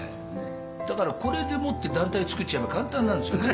だからこれでもって団体作っちゃえば簡単なんですよね。